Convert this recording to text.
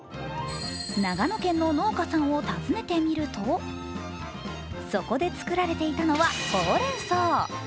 長野県の農家さんを訪ねてみるとそこで作られていたのはほうれんそう。